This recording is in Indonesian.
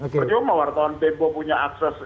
percuma wartawan tempo punya akses